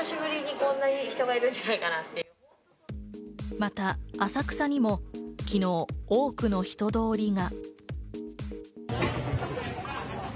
また浅草にも昨日多くの人通りが。